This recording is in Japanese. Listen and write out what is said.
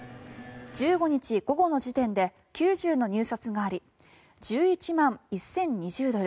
１５日午後の時点で９０の入札があり１１万１０２０ドル